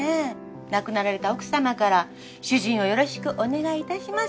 亡くなられた奥様から「主人をよろしくお願いいたします。